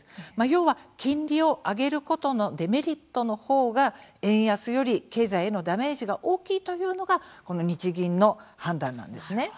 要は、金利を上げることのデメリットのほうが円安より経済へのダメージが大きいというのがこの日銀の判断なんです。